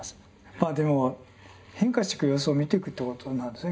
まあでも変化していく様子を見ていくっていうことなんですね。